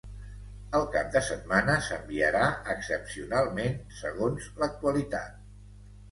El cap de setmana s’enviarà excepcionalment, segons l’actualitat.